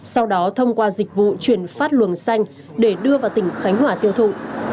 sau đó thông qua dịch vụ chuyển phát luồng xanh để đưa vào tỉnh khánh hòa tiêu thụ